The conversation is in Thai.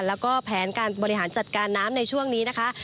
แล้วก็แผนการบริหารจัดการน้ำในช่วงนี้นะคะ